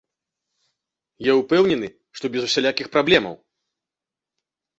Я ўпэўнены, што без усялякіх праблемаў.